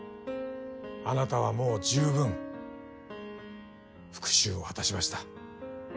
あなたはもうじゅうぶん復讐を果たしました。